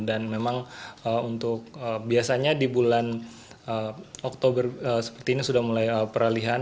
dan memang untuk biasanya di bulan oktober seperti ini sudah mulai peralihan